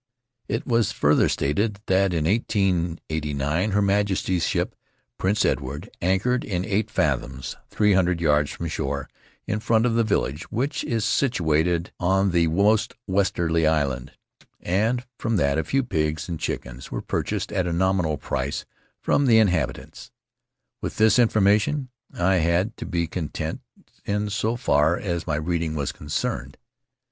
It was further stated that in 1889 Her Majesty's ship, Prince Edward, anchored in eight fathoms, three hundred yards from shore in front of the village, which is situated on the most westerly island; and that a few pigs and chickens were purchased at a nominal price from the inhabitants. With this information I had to be content in so far as my reading was concerned.